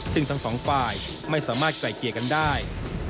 ซึ่งทั้งสองฝ่ายไม่สามารถไกลเกลี่ยกันได้